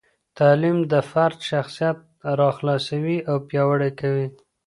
تعلیم د فرد شخصیت راخلاصوي او پیاوړي کوي.